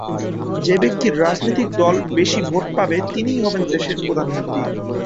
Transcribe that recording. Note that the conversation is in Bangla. যে ব্যক্তির রাজনৈতিক দল বেশি ভোট পাবে তিনিই হবেন দেশের প্রধানমন্ত্রী।